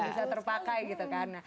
bisa terpakai gitu kan